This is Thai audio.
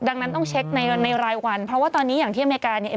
ดังนั้นต้องเช็คในรายวันเพราะว่าตอนนี้อย่างที่อเมริกาเนี่ย